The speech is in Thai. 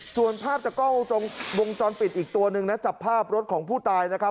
ส่วนภาพจากกล้องวงจรปิดอีกตัวหนึ่งนะจับภาพรถของผู้ตายนะครับ